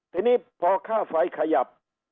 ทีนี้พอค่าไฟขยับ